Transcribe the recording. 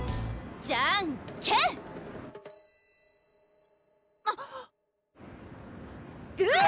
じゃんけんあっグー！